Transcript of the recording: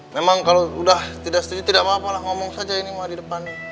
memang kalau sudah tidak setuju tidak apa apa ngomong saja ini di depan